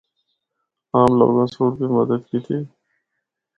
عام لوگاں سنڑ بھی مدد کیتی۔